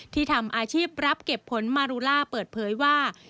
ทำอาชีพรับเก็บผลมารูล่าเปิดเผยว่า